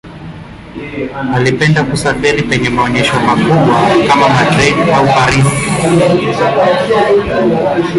Alipenda kusafiri penye maonyesho makubwa kama Madrid au Paris.